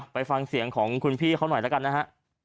ไปฟังเสียงของคุณพี่เขาหน่อยแล้วกันนะฮะ